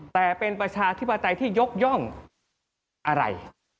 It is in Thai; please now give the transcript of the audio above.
แต่เป็นประชาธิปไตยที่ยกย่องอะไร